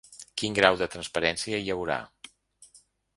Quin grau de transparència hi haurà?